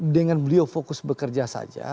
dengan beliau fokus bekerja saja